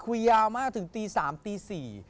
คุยยาวมากถึงติสามติสี่